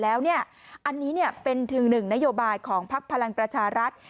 แล้วอันนี้เป็นถึงหนึ่งนโยบายของพักพลังประชารัฐ